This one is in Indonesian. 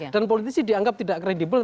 dan politisi dianggap tidak kredibel